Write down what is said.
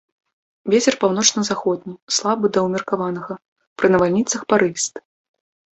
Вецер паўночна-заходні слабы да ўмеркаванага, пры навальніцах парывісты.